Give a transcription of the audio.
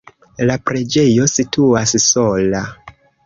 La preĝejo situas sola.